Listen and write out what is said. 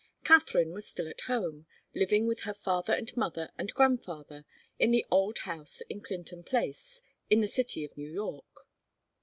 Katharine was still at home, living with her father and mother and grandfather, in the old house in Clinton Place, in the city of New York.